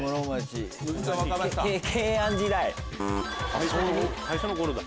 最初の頃だ。